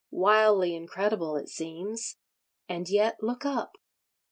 Wildly incredible it seems. And yet—look up!